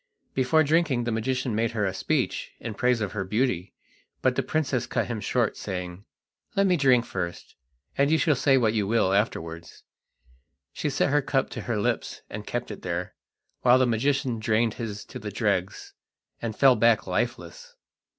Before drinking the magician made her a speech in praise of her beauty, but the princess cut him short saying: "Let me drink first, and you shall say what you will afterwards." She set her cup to her lips and kept it there, while the magician drained his to the dregs and fell back lifeless.